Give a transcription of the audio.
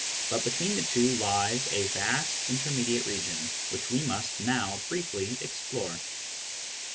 But between the two lies a vast intermediate region, which we must now briefly explore.